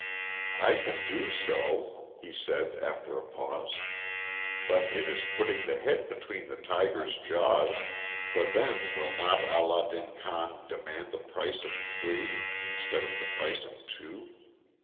"I can do so," he said, after a pause. "But it is putting the head between the tiger's jaws, for then will not Allah din Khan demand the price of three instead of the price of two?